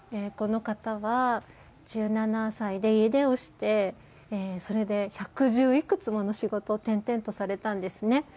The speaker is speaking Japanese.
この方は、１７歳で家出をして、それで百十いくつもの仕事を転々とされたんですね。